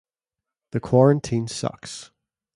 The quarantine sucks